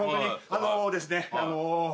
あのですね。